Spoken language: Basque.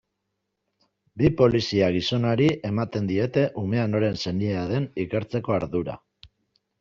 Bi polizia-gizonari ematen diete umea noren senidea den ikertzeko ardura.